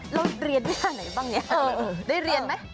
แล้วเรียนท่าไหนบ้างเนี่ยได้เรียนไหม